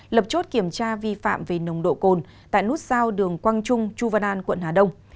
lập chốt kiểm tra vi phạm về nồng độ cồn tại nút giao đường quang trung chu văn an quận hà đông